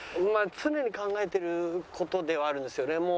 常に考えている事ではあるんですよね。